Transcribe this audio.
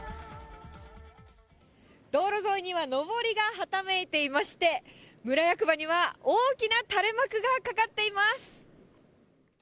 道路沿いにはのぼりがはためいていまして、村役場には大きな垂れ幕がかかっています。